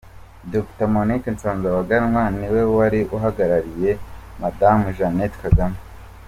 Dr Monique Nsanzabaganwa, niwe wari uhagarariye Madamu Jeannette Kagame.